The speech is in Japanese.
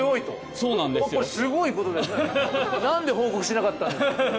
何で報告しなかったんだ。